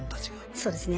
そうですね。